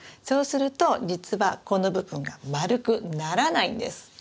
そうすると実はこの部分が丸くならないんです。